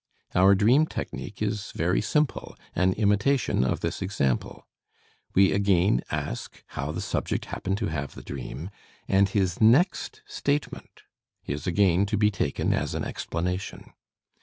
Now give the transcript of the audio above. Our dream technique is very simple, an imitation of this example. We again ask how the subject happened to have the dream, and his next statement is again to be taken as an explanation.